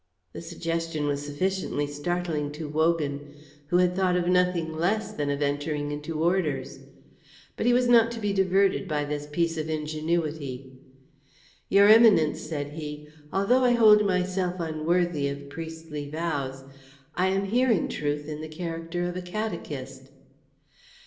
The suggestion was sufficiently startling to Wogan, who had thought of nothing less than of entering into orders. But he was not to be diverted by this piece of ingenuity. "Your Eminence," said he, "although I hold myself unworthy of priestly vows, I am here in truth in the character of a catechist."